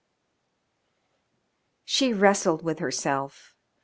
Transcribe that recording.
She wrestled with herself.